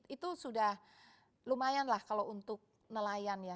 itu sudah lumayan lah kalau untuk nelayan ya